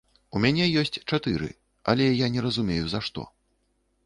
У мяне ёсць чатыры, але я не разумею, за што.